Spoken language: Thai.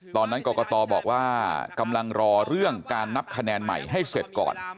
ตอนนั้นกรกตบอกว่ากำลังรอเรื่องการนับคะแนนใหม่ให้เสร็จก่อน